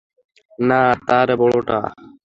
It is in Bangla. না, তার বড়টা।